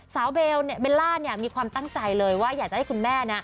เบลเนี่ยเบลล่าเนี่ยมีความตั้งใจเลยว่าอยากจะให้คุณแม่นะ